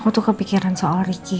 aku tuh kepikiran soal ricky